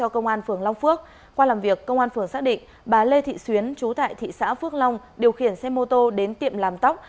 không gian chung còn trở thành nơi tập kết rác